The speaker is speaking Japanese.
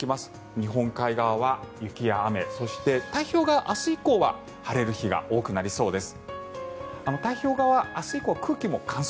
日本海側は雪や雨そして太平洋側、明日以降は晴れる日が多くなりそうです。